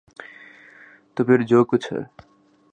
تو پھر جو کچھ ہے۔